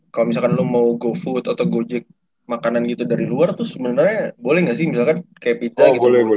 kalau misalkan lo mau go food atau gojek makanan gitu dari luar tuh sebenarnya boleh nggak sih misalkan kayak pita gitu loh